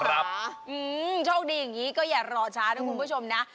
โชคดีอย่างนี้ก็อย่ารอช้านะคุณผู้ชมนะ